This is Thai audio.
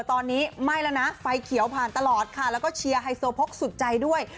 ตอนนี้ไม่แล้วนะไฟเขียวผ่านตลอดค่ะแล้วก็เชียร์ไฮโซโพกสุดใจด้วย